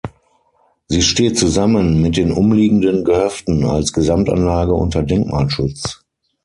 Sie steht zusammen mit den umliegenden Gehöften als Gesamtanlage unter Denkmalschutz.